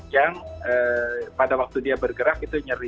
yang pada waktu dia bergerak itu nyeri